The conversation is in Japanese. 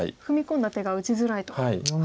踏み込んだ手が打ちづらいと。